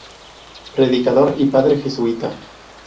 Predicador y padre Jesuita.